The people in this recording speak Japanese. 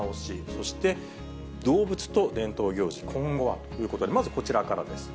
そして動物と伝統行事、今後はということで、まずこちらからです。